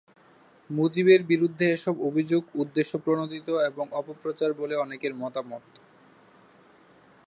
মুজিবের বিরুদ্ধে এসব অভিযোগ উদ্দেশ্যপ্রণোদিত এবং অপপ্রচার বলে অনেকের মতামত।